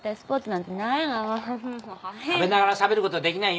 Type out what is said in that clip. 食べながらしゃべることはできないよ